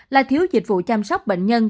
là thiếu dịch vụ chăm sóc bệnh nhân